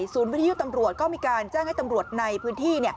วิทยุตำรวจก็มีการแจ้งให้ตำรวจในพื้นที่